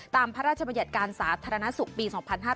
ตามพระราชบรรยัติการสาธารณสุขปี๒๕๓๕